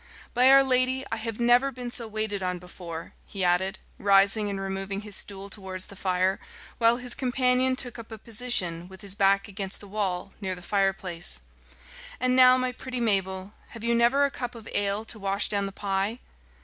"By our Lady, I have never been so waited on before," he added, rising and removing his stool towards the fire, while his companion took up a position, with his back against the wall, near the fireplace. "And now, my pretty Mabel, have you never a cup of ale to wash down the pie?"